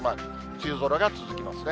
梅雨空が続きますね。